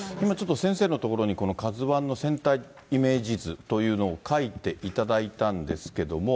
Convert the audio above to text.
今、先生のところにＫＡＺＵＩの船体イメージ図というのを描いていただいたんですけれども。